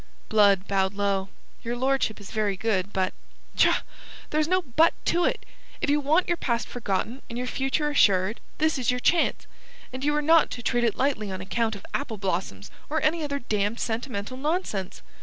Blood bowed low. "Your lordship is very good. But...." "Tchah! There's no 'but' to it. If you want your past forgotten, and your future assured, this is your chance. And you are not to treat it lightly on account of apple blossoms or any other damned sentimental nonsense.